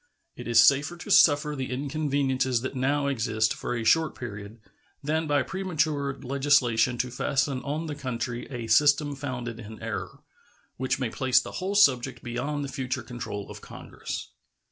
It is safer to suffer the inconveniences that now exist for a short period than by premature legislation to fasten on the country a system founded in error, which may place the whole subject beyond the future control of Congress.